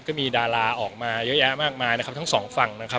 ก็มีดาราออกมาเยอะแยะมากมายนะครับทั้งสองฝั่งนะครับ